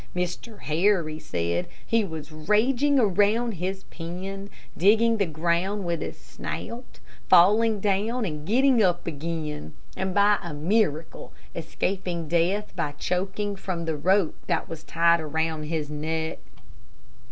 Mr. Harry said he was raging around his pen, digging the ground with his snout, falling down and getting up again, and by a miracle, escaping death by choking from the rope that was tied around his neck.